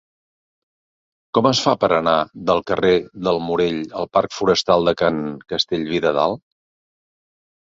Com es fa per anar del carrer del Morell al parc Forestal de Can Castellví de Dalt?